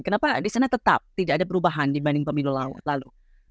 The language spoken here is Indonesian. kenapa di sana tetap tidak ada perubahan dibanding pemilu lalu